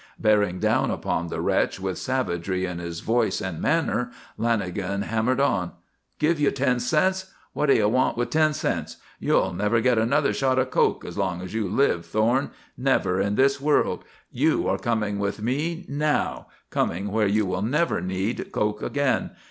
Bearing down upon the wretch with savagery in his voice and manner, Lanagan hammered on: "Give you ten cents! What do you want with ten cents? You'll never get another shot of coke as long as you live, Thorne! Never in this world! You are coming with me now, coming where you will never need coke again!